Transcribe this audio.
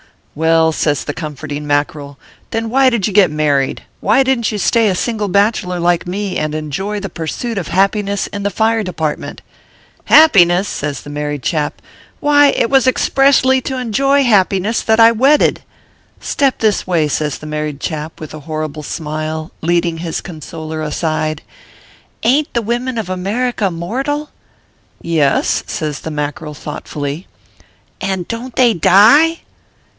" Well," says the comforting Mackerel, " then why did you get married ? Why didn t you stay a single bachelor like me, and enjoy the pursuit of happiness in the Fire Department ?"" Happiness !" says the married chap, " why it was expressly to enjoy happiness that I wedded. Step this way," says the. married chap, with a horrible smile, leading his consoler aside, "ain t the women of America mortal ?"" Yes," says the Mackerel thoughtfully. "And don t they die?"